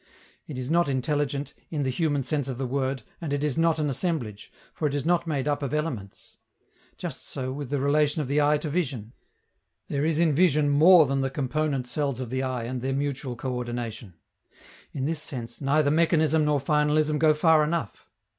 It is not intelligent, in the human sense of the word, and it is not an assemblage, for it is not made up of elements. Just so with the relation of the eye to vision. There is in vision more than the component cells of the eye and their mutual coördination: in this sense, neither mechanism nor finalism go far enough.